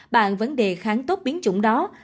bạn vẫn đề kháng tốt biến chủng đó